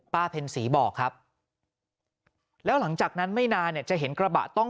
ป้าเพ็นสีบอกครับแล้วหลังจากนั้นไม่นานจะเห็นกระบะต้อง